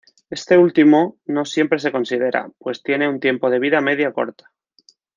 Este último no siempre se considera, pues tiene un tiempo de vida media corta.